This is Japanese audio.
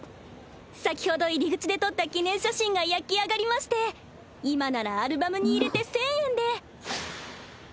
先ほど入り口で撮った記念写真が焼き上がりまして今ならアルバムに入れて１０００円で。